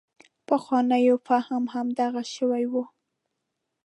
پخوانو فهم همدغه شی و.